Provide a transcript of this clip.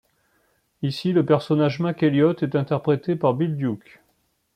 Ici le personnage Mac Eliot interprété par Bill Duke.